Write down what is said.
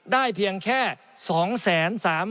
ได้เพียงแค่